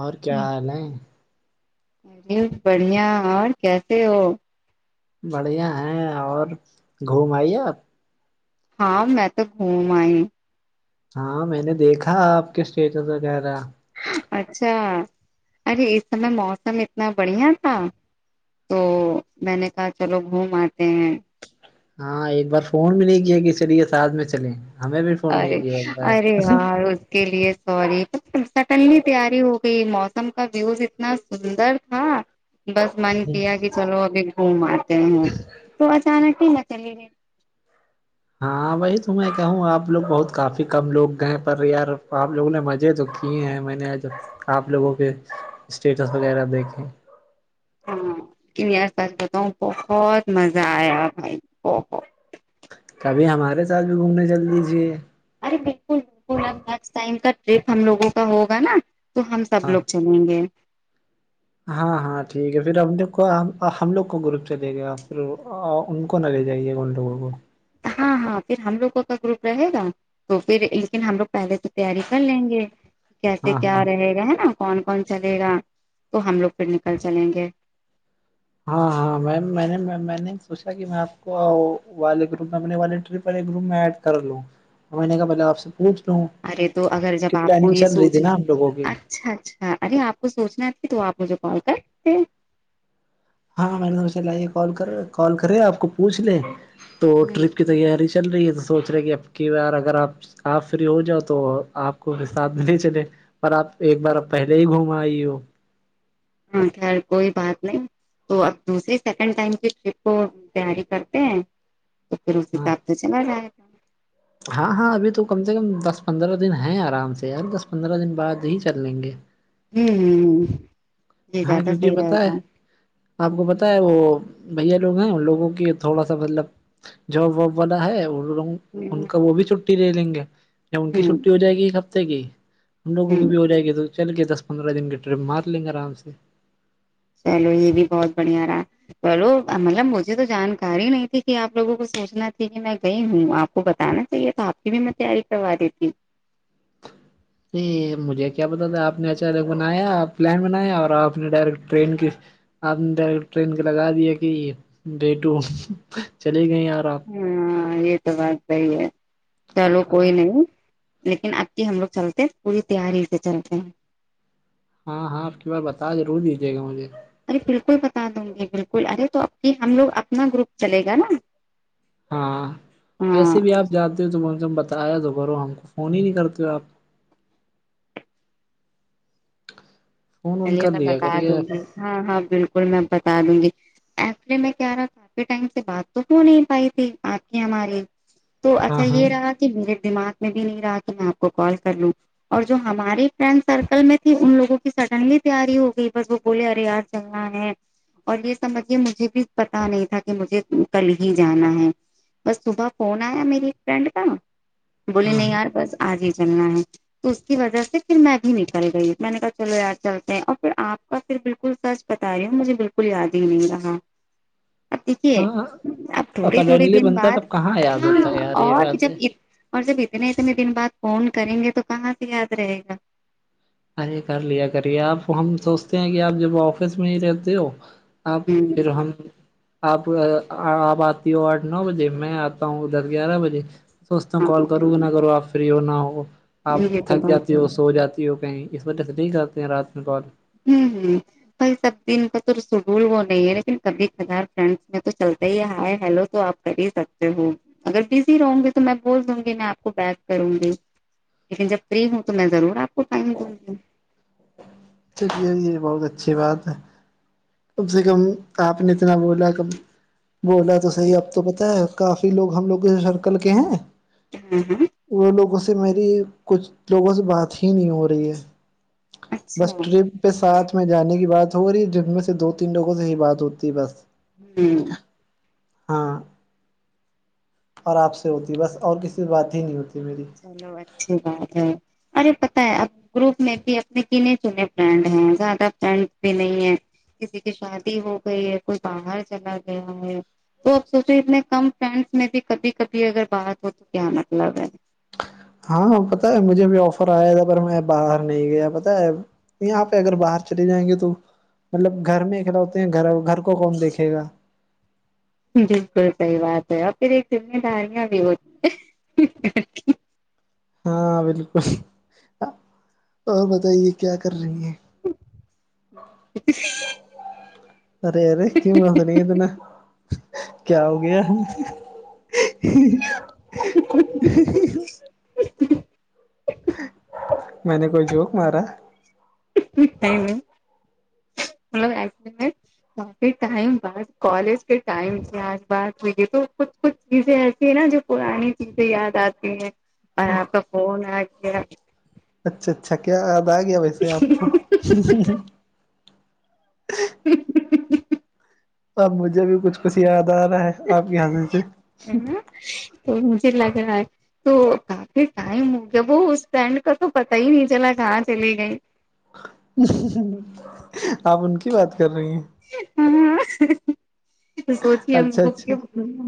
اور کیا حال ہے جی بڑھیا اور کیسے ہو بڑھیا ہے اور گھوم آئیے آپ ہاں میں تو گھوم آئی ہاں میں نے دیکھا آپ کے سٹیٹس وغیرہ اچھا ارے اس سمے موسم اتنا بڑھیا تھا تو میں نے کہا چلو گھوم آتے ہیں ہاں ایک بار فون بھی نہیں کیا کہ چلیے ساتھ میں چلیں ہمیں بھی فون نہیں ارے کیا ایک بار ارے یار اس کے لیے سوری سٹنلی تیاری ہوگ کہ موسم کا ویوز اتنا سندر تھا بس من کیا کہ چلو ابھی وہ آتے ہیں تو اچانک ہی ہم چلے گیے ہاں وہی تو میں کہوں آپ لوگ بہت کافی کم لوگ گئے پر یار آپ لوگوں نے مجے کیے ہیں میں نے آپ لوگوں کے اسٹیٹس وغیرہ دیکھے ہاں لیکن یار سچ بتاؤ بہت مزہ آیا بھائی بہت کبھی ہمارے ساتھ بھی گھومنے چل دیجیے ارے بالکل بالکل اب نیکسٹ ٹائم کا ٹرپ ہم لوگوں کا ہوگا نا تو ہم سب ہاں لوگ چلیں گے ہاں ہاں ٹھیک ہے فیر اب دیکھو ہم لوگ اب کو ہم لوگ کو گروپ دے گیا فیر وہ ان کو نا لے جائیے گا ان لوگوں کو ہاں ہاں پھر ہم لوگوں کا گروپ رہے گا تو فیر لیکن ہم لوگ پہلے سے تیاری کر لیں گے کیسے ہاں ہاں کیا رہے گا ہے نا کون کون چلے گا تو ہم لوگ پھر نکل چلیں گے ہاں ہاں میم میں نے میں نے سوچا کہ میں آپ کو والے گروپ میں اپنے والے ٹرپ والے گروپ میں ایڈ کر لوں میں نے کہا پہلے آپ سے پوچھ لوں ارے تو اگر ٹرپ جب کی آپ کو پلاننگ یہ چل رہی تھی سوچنا نا ہم لوگوں کی [unintelligible] اچھا اچھا ارے آپ کو سوچنا تھی تو آپ مجھے کال کر لیتے ہاں میں نے سوچا لیئے کال کر کال کرے آپ کو پوچھ لے تو ہوں ٹرپ کے تیاری چل رہی ہے تو سوچ رہے کہ اب کی بار اگر آپ آپ فری ہو جاؤ تو آپ کو بھی ساتھ میں لے چلے پر آپ ایک بار آپ پہلے ہی گھوم آئی ہو ہاں کھیر کوئی بات نہیں تو اب دوسری سیکنڈ ٹائم کی ٹرپ کو تیاری کرتے ہیں تو پھر اس ہاں حساب سے چلا جائے گا ہاں ہاں ابھی تو کم سے کم دس پندرہ دن ہیں آرام سے یار دس پندرہ دن بعد ہی چل لیں گے ہمم یے ہاں زیادہ کیونکہ صحیح پتہ ہے رہیگا آپ کو پتا ہے وہ بھیا لوگ نا ان لوگوں کے تھوڑا سا مطلب [unintelligible] جاب واب والا ہے ان ہ کا وہ بھی چھٹی لیں لیں گے یا ان کی ہ چھٹی ہوجایگی ایک ہفتے کی ہم لوگوں ہ کو بھی ہو جائے گے تو چل کے دس پندرہ دن کے ٹرپ مار لیں گے آرام سے چلو یے بھی بہت بڑھیا رہا پرو مطلب مجھے تو جانکاری نہیں تھی کی آپ لوگوں کو سوچنا تھی کی میں گئی ہوں آپ کو بتانے تو یے آپ کی بھی میں تیاری کروا دیتی یہی مجھے کیا بتا تھا آپ نے اچانک بنایا پلان بنایا اور آپ نے ڈائریکٹ ٹرین کی آپ نے ڈائرک ٹرین کا لگا دیا کی بیٹو چلے گئے یار آپ ہاں یے تو بات صحیح ہے چلو کوئی ہاں نہیں لیکن اب کے ہم لوگ چلتے پوری تیاری سے چلتے ہیں ہاں ہاں آپ کی بار بتا ضرور دیجیے گا مجھے ارے بالکل بتا دوں گی بالکل ارے تو اب کے ہم لوگ اپنا گروپ چلے گا نا ہاں ویسے ہاں بھی آپ جاتے تو کم سےکم بتایا تو کرو ہم کو فون ہی نہیں کرتے ہو آپ فون وون چلیے کر میں لیا بتا کریے دوں گی ہاں ہاں بالکل میں بتا دوں گی ایچولی میں کیا رہا تھا کافی ٹائم سے بات تو ہو نہیں پائی تھی آپ کی ہماری تو ہاں اچھا ہاں یے رہا کی میرے دماغ میں بھی نہیں رہا کی میں آپ کو کال کر لوں اور جو ہماری فرینڈ سرکل میں تھی ان لوگوں کی سڈنلی تیاری ہو گئی بس وہ بولے ارے یار چلنا ہے اور یے سمجھیے مجھے بھی پتا نہیں تھا کی مجھے کل ہی جانا ہے بس صبح فون آیا میری فرینڈ کا بولی ہاں نہیں یار بس آج ہی چلنا ہے تو اس کی وجہ سے پھر میں بھی نکلے گئی میں نے کہا چلو یار چلتے ہیں اور فیر آپ کا فیر بالکل سچ بتا رہی ہوں مجھے بالکل یاد ہی نہیں رہا اب دیکھیے ہاں ہاں اب اور تھوڑے تھوڑے سڈنلی دن بنتا بعد تب کہاں یاد ہوتا ہے یار یہ اور بات جب ہے یے اور جب اتنے اتنے دن بعد فون کریں گے تو کہاں سے یاد رہے گا ارے کر لیا کریے آپ ہم سوچتے ہیں کی آپ جب آفس میں ہی رہتے ہو آپ ہوں پھر ہم آپ آپ آتی ہو آٹھ نو بجے میں آتا ہوں دس گیارہ بجے سوچتا ہوں ہاں کال کرو گے نا کروں آپ فری ہو نا ہو آپ یہ تو تھک بات جاتی ہے ہو سو جاتی ہو اس وجے سے نہیں کرتے ہیں رات میں کال آمہم بھائی سب دن کا تو شڈول وہ نہیں ہے لیکن کبھی کبار فرینڈس میں تو چلتا ہی ہے ہائے ہیلو تو آپ کر ہی سکتے ہو اگر بزی رہوں گی تو میں بول دوں گی میں آپ کو کال کروں گی لیکن جب فری ہوں تو میں ضرور آپ کو ٹائم دوں گی چلیے جی بہت اچھی بات ہے کم سے کم آپ نے اتنا بولا کب بولا تو صحیح اب تو پتا ہے کافی لوگ ہم لوگ سرکل کے ہیں [unintelligible] وہ لوگوں سے میری کچھ لوگوں سے بات ہی نہیں ہو رہی ہے اچھا بس ہوں ٹرپ پے ساتھ میں جانے کی بات ہو رہی جس میں سے دو تین لوگوں سے ہی بات ہوتی ہے بس ہمم ہاں اور آپ سے ہوتی بس اور کسی بات ہی نہیں ہوتی میری چلو اچھی بات ہے ارے پتا ہے اب گروپ میں بھی اپنے گینے چنے فرینڈ ہیں زیادہ فرینڈ بھی نہیں ہے کسی کی شادی ہو گئی ہے کوئی باہر چلا گیا ہے تو اپ سوچو اتنے کم فرینڈس میں بھی کبھی کبھی اگر بات ہو تو کیا مطلب ہے ہاں پتا ہے مجھے بھی آفر آیا تھا پر میں باہر نہیں گیا پتا ہے یہاں پے اگر باہر چلے جائیں گے تو مطلب گھر میں ایک لوتے ہے گھر گھر کو کون دیکھے گا بالکل صحیح بات ہے اور پھر ایک ذمہ داریاں بھی ہوتی ہیں ہاں بالکل اور بتائیے کیا کر رہی ہیں [inaudible] ارے ارے کیوں حس رہی ہے اتنا کیا ہو گیا [unintelligible] میں نے کوئی جوک مارا [unintelligible] [unintelligible] مطلب کافی ٹائم بعد کالج کے ٹائم سے آج بات ہویی تو کچھ کچھ چیزیں ایسی ہیں نا جو پرانی چیزیں یاد آتی ہیں اور آپ کا کال آ گیا اچھا اچھا کیا یاد آ گیا ویسے آپ کو [inaudible] تو اب مجھے بھی کچھ کچھ یاد آ رہا ہے آپ کی عادتیں ہے نا تو مجھے لگ رہا ہے تو کافی ٹائم ہو گیا وہ اس سٹینڈ کا تو پتا ہی نہیں چلا کہاں چلے گئی آپ ان کی بات کر رہی سوچیے ہم اچھا کو اچھا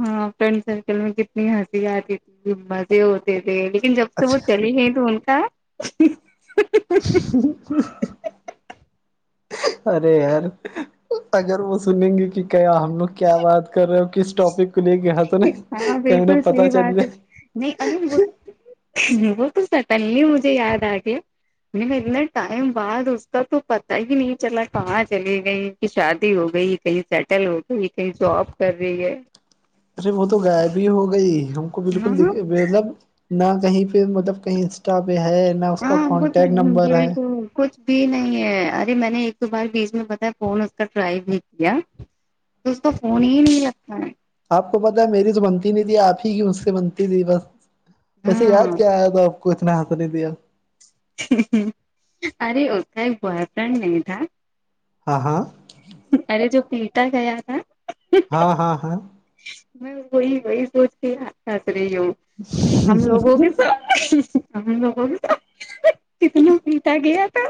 ہاں فرینڈ سرکل میں کتنی ہنسی آتی تھی بس تے ہوتے تھے لیکن جب سے وہ اچھا چلی گئی تو ان کا ارے یار اگر وہ سنیں گے کی کیا ہم لوگ کیا بات کر رہے ہو کس ٹاپک کو لے کے ہس رہے ہاں کہیں بالکل انہیں پتہ صحیح چل بات ہے جائے نہیں انیل وہ وہ تو سٹن لی مجھے یاد آگیا نہیں اتنا ٹائم بعد اس کا تو پتا ہی نہیں چلا کہاں چلی گئی کی شادی ہو گئی کہیں سیٹل ہو گئی کہیں جاب کر رہی ہے ارے وہ تو غائب ہی ہو گئی ہم کو ہاں بالکل دکے مطلب نا کہیں پے مطلب کہیں انسٹا پے ہے نا اس کا کانٹیکٹ نمبر ہے ہمم کچھ دی نہیں ہے ارے میں نے ایک تو بار بیچ میں بتا ہے فون اس کا ٹرائی بھی کیا اسس کا فون ہی نہیں لگتا آپ کو پتا ہے میری تو بنتی نہیں تھی آپ ہی کی اس سے بنتی تھی بس ویسے یاد ہاں کیا آیا تھا آپ کو اتنا ہنس رہی تھی آپ ارے اس کا ایک بوائ فرنڈ نہی تھا ہاں ہاں ارے جو پیٹا گیا نا ہاں ہاں ہاں میں وہی وہی سوچ کے ہنس رہی ہوں کے ہم لوگوں کے ساتھ ہم لوگوں کو کتنا پیٹا گیا تھا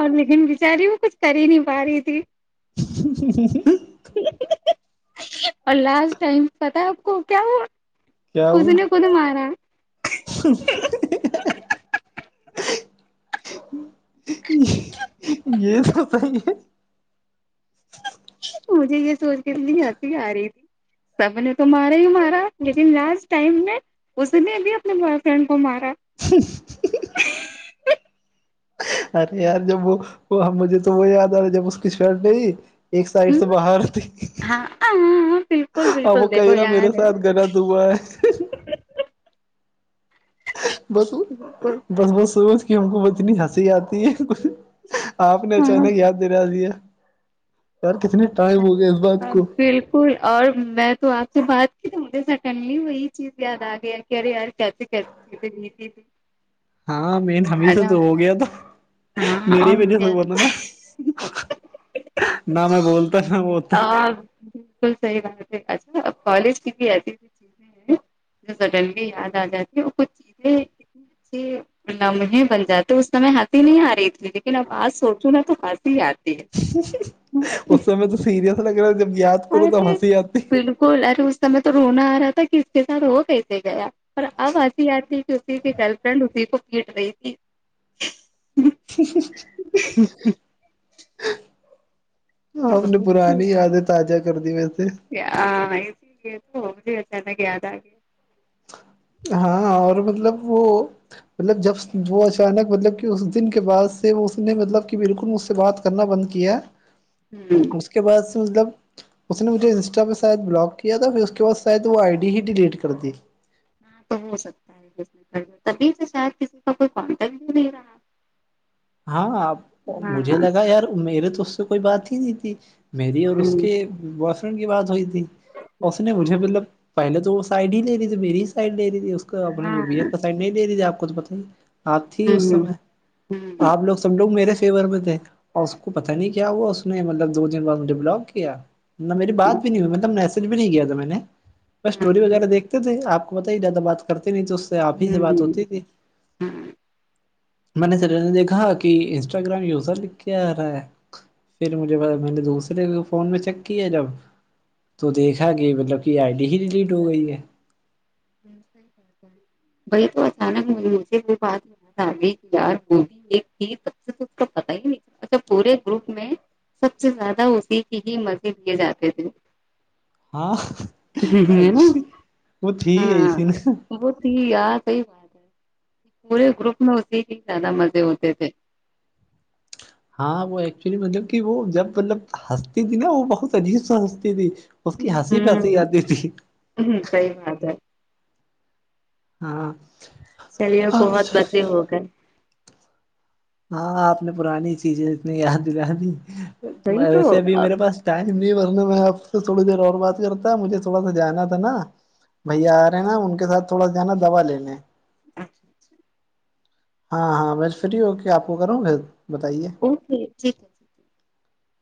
اور لیکن بچاری وہ کچھ کر ہی نہیں پا رہی تھی اور لاسٹ ٹائم پتا ہے آپ کو کیا ہوا کیا اس بولو نے خود مارا یے تو صحیح ہے مجھے یے سوچ کے اتنی آتی اتنی ہنسی آ رہی تھی سب نے تو مارا ہی مارا لیکن لاسٹ ٹائم میں اس نے ابھی اپنے بوائے فرینڈ کو مارا ارے یار جب وہ وہ مجھے تو وہ یاد آ رہا جب اس کی شٹ ایک سائڈ ہ سے باہر تھی ہاں ہاں بالکل آ وہ بالکل دیکھو کہے گا میرے یاد ہے ساتھ گلت ہوا ہے بس بالکل بس وہ سوچ کے ہم کو اب اتنی ہنسی آتی ہے آپ نے ہاں اچانک یاد دلا دیا یار کتنے ٹائم ہو گیا اس بات کو بالکل اور میں تو آپ سے بات کی تو مجھے سٹنلی وہی چیز یاد آ گیا کی ارے یار کیسے کیسے بھیتی تھی [unintelligible] ہاں مین ہممی سے ارے تو ہو گیا تو ہاں میرے اور [unintelligible] نا میں بولتا نا وہ آ بالکل صحیح بات ہے اچھا اب کالج کی بھی ایسی چیز مجھے سڈنلی یاد آ جاتی ہے وہ کچھ چیزیں اتنی اچھی لمہے بن جاتے اس سمے ہنسی نہیں آ رہی تھی لیکن اب آج سوچوں نا تو ہنسی آتی ہے اس سمے تو سیریس لگ رہا ہے جب یاد کرو تب ہنسی آتی کل ارے اس سمے تو رونا آ رہا تھا کی اس کے ساتھ ہو کیسے گیا پر اب ہسی آتی کی اسی کی گل فرینڈ اسی کو پیٹ رہی تھی ہ آپ نے پرانی یادیں تاجا کر دی وے سے [unintelligible] ہاں اور مطلب وہ مطلب جب وہ اچانک مطلب کی اس دن کے بعد سے وہ اس نے مطلب کی بالکل مجھ سے بات کرنا بند کیا ہمم اس کے بعد سے مطلب اس نے مجھے انسٹا پے شاید بلاک کیا تھا فیر اس کے بعد شاید وہ آئی ڈی ہی ڈیلیٹ کر دی ہاں تو ہو سکتا ہے تبھی اس کے ساتھ کسی کا کوئی کانٹٹ بھی نہیں رہا ہاں مجھے ہاں لگا یار میرے تو اس سے کوئی بات ہی نہیں تھی میری اور اس ہوں کے بوائے فرینڈ کی بات ہوئی تھی اس نے مجھے مطلب پہلے تو سائڈ ہی لے رہی تھی مری ہی سائڈ لے رہی تھی اس کا اپنے ہاں بی ایف کا سائڈ نہیں لے رہی تھی آپ کو تو پتا ہے [unintelligible] آپ لوگ سب لوگ میرے فیور میں تھے اور اس کو پتا نہیں کیا ہوا اس نے مطلب دو دن بعد مجھے بلاک کیا نا میری بات ہوں بھی نہیں ہوئی مطلب میسج بھی نہیں کیا تھا میں نے بس اسٹوری وغیرہ دیکھتے تھے آپ وہ تو ہی زیادہ بات کرتے نہیں تو اس سے آپ ہی سے بات ہوتی تھی میں نے سڈینلی دیکھا کہ انسٹاگرام یوزر لکھ کے آ رہا ہے پھر مجھے پ میں نے دوسرے فون میں چیک کیا جب تو دیکھا کہ مطلب کہ آئی ڈی ہی ڈیلیٹ ہو گئی ہے [unintelligible] تو اچانک ہ مجھے وہ بات یار می ایک تھی سب سے تو اس کو پتا ہی نہیں تھا اچھا پورے گروپ میں سب سے زیادہ اسی کی ہی مزے لیے جاتے تھے ہاں ہے نا اچھی وہ تھی ہی ایسی نا تی یار سہی بات ہے پورے گروپ میں اسی ہی زیادہ مزے ہوتے تھے ہاں وہ ایکچولی مطلب کی وہ جب مطلب ہنستی تھی نا وہ بہت عجیب سا ہنستی تھی اس کی ہنسی پے ہنسی آتی تھی ہمم صحیح بات ہے ہاں چلیے بہت اچھا باتیں ہو گئے ہاں آپ نے پرانی چیزیں اتنی یاد دلا دی وہی تو ویسے ابھی اب۔ میرے پاس ٹائم نہیں ورنا میں آپ سے تھوڑی دیر اور بات کرتا مجھے تھوڑا سا جانا تھا نا بھائی آ رہے ہیں نا ان کے ساتھ تھوڑا جانا دوا لینے اچھا اچھا ہاں ہاں میں فری ہو کے آپ کو کروں پھر بتائیے اوکے ٹھیک ہے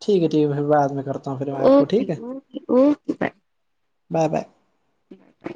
ٹھیک ہے ٹھیک ہے پھر بعد میں کرتا ہوں پھر میں آپ کو ٹھیک ہے okay okay okay bye bye bye bye bye